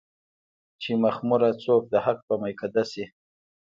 چې مخموره څوک د حق په ميکده شي